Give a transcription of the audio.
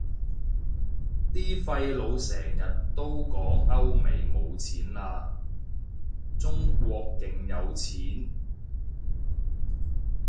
啲廢老成日都講歐美冇錢喇，中國勁有錢